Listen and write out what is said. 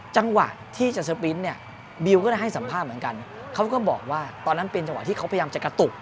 จังหวะที่จะสปริ้นต์เนี่ยบิวก็ได้ให้สัมภาษณ์เหมือนกันเขาก็บอกว่าตอนนั้นเป็นจังหวะที่เขาพยายามจะกระตุก